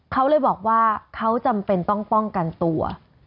เขาเลยบอกว่าเขาจำเป็นต้องป้องกันตัว